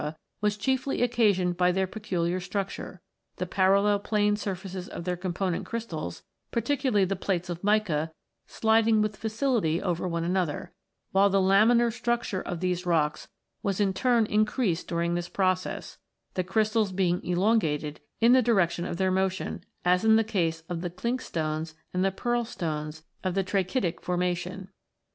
was chiefly occasioned by their peculiar structure; the parallel plane surfaces of their component crystals, particularly the plates of mica, sliding with facility over one another; while the laminar structure of these rocks was in turn increased during this process, the crystals being elongated in the direction of their motion, as in the case of the clinkstones and pearl stones of the trachytic formation."